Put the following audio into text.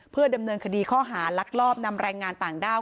เพื่อดำเนินคดีข้อหาลักลอบนำแรงงานต่างด้าว